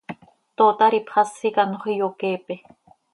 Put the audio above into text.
Tootar ipxasi quih anxö iyoqueepe.